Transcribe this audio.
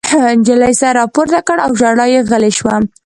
نجلۍ سر راپورته کړ او ژړا یې غلې شوه